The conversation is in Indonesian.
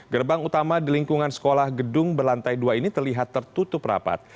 gerbang utama di lingkungan sekolah gedung berlantai dua ini terlihat tertutup rapat